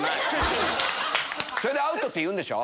それでアウトって言うんでしょ。